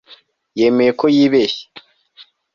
yemeye ko yibeshye